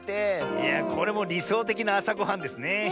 いやこれもりそうてきなあさごはんですね。